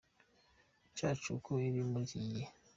cyacu uko iri muri iki gihe.